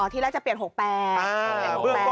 อ๋อทีละจะเปลี่ยน๖เป็น